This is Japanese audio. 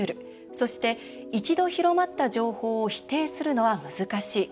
そして、一度広まった情報を否定するのは難しい。